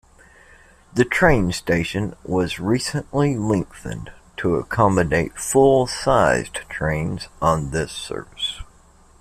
The train station was recently lengthened to accommodate full sized trains on this service.